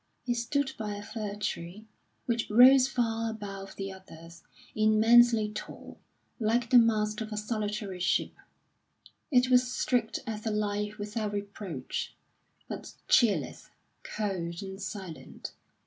He stood by a fir tree, which rose far above the others, immensely tall, like the mast of a solitary ship; it was straight as a life without reproach, but cheerless, cold, and silent.